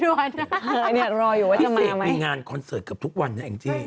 เธออยากรออยู่ว่าจะมาไหมพี่เศกมีงานคอนเสิร์ตเกือบทุกวันนะแองจี